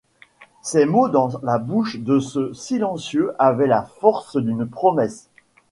Ces mots dans la bouche de ce silencieux avaient la force d'une promesse.